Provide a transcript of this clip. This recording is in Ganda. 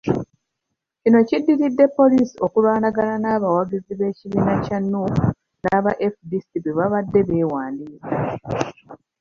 Kino kiddiridde poliisi okulwanagana n'abawagizi b'ekibiina kya Nuupu n'aba FDC bwebabadde beewandiisa.